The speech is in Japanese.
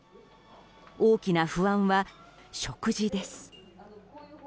大きな不安は、食事です。